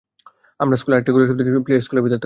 আমরা আরেকটি গুলির শব্দ শুনেছি প্লে স্কুলের ভিতর থেকে।